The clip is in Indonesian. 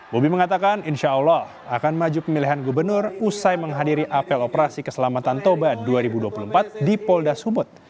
bobi mengatakan insya allah akan maju pemilihan gubernur usai menghadiri apel operasi keselamatan toba dua ribu dua puluh empat di polda sumut